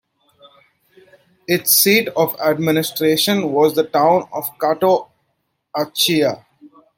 Its seat of administration was the town of Kato Achaia.